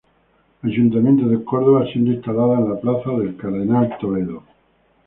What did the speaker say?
Ayuntamiento de Córdoba, siendo instalada en la Plaza del Cardenal Toledo.